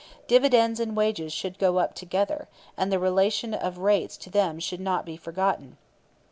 Dividends and wages should go up together; and the relation of rates to them should never be forgotten.